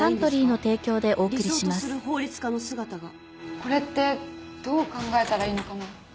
これってどう考えたらいいのかな？